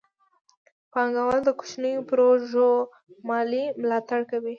پانګه وال د کوچنیو پروژو مالي ملاتړ کوي.